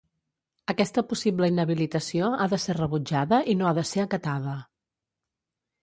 Aquesta possible inhabilitació ha de ser rebutjada i no ha de ser acatada.